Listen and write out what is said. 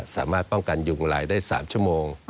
สามารถป้องกันยุงลายได้๓ชั่วโมง